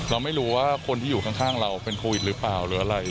เราไม่รู้ว่าคนที่อยู่ข้างเราเป็นโควิดหรือเปล่าหรืออะไร